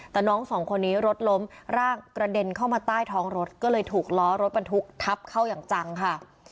แต่น้องสองคนนี้รถล้มร่างกระเด็นเข้ามาใต้ท้องรถก็เลยถูกล้อรถบรรทุกทับเข้าอย่างจังค่ะ